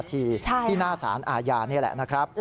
ที่หน้าศาลอาญานี่แหละนะครับใช่ครับ